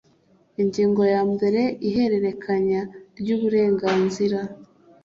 ingingo ya mbere ihererekanya ry uburenganzira